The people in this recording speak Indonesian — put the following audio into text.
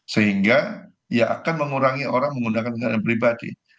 sehingga ya akan mengurangi orang menggunakan kendaraan pribadi